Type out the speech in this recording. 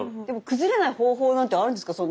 でも崩れない方法なんてあるんですか？